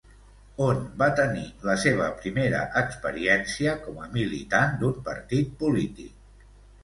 On va tenir la seva primera experiència com a militant d'un partit polític?